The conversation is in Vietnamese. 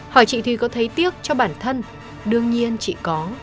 hỏi chị thùy có thấy tiếc cho bản thân đương nhiên chị có